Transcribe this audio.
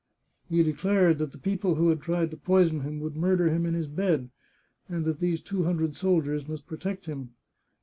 He declared that the people who had tried to poison him would murder him in his bed, and that these two hundred soldiers must protect him.